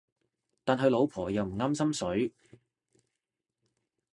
但係老婆又唔啱心水